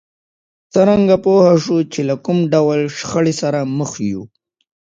څرنګه پوه شو چې له کوم ډول شخړې سره مخ يو؟